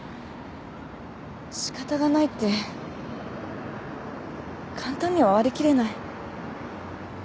しかたがないって簡単には割り切れない。